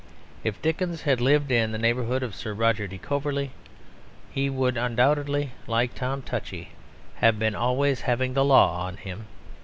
If Dickens had lived in the neighbourhood of Sir Roger de Coverley he would undoubtedly, like Tom Touchy, have been always "having the law of him."